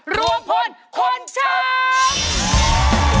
รับผลคนช้า